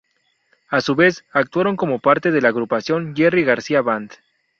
A su vez, actuaron como parte de la agrupación Jerry Garcia Band.